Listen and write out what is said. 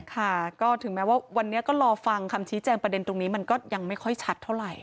ค่ะก็ถึงแม้ว่าวันนี้ก็รอฟังคำชี้แจงประเด็นตรงนี้มันก็ยังไม่ค่อยชัดเท่าไหร่